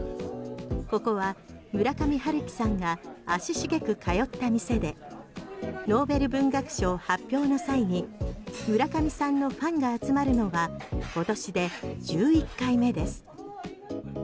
ここは村上春樹さんが足しげく通った店でノーベル文学賞発表の際に村上さんのファンが集まるのは今年で１１回目です。